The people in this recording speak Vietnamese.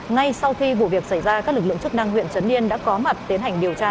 ngay sau khi vụ việc xảy ra các lực lượng chức năng huyện trấn yên đã có mặt tiến hành điều tra